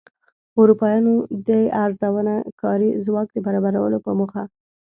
اروپایانو د ارزانه کاري ځواک د برابرولو په موخه.